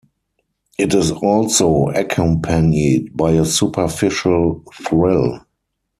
It is also accompanied by a superficial thrill.